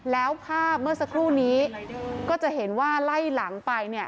แล้วภาพเมื่อสักครู่นี้ก็จะเห็นว่าไล่หลังไปเนี่ย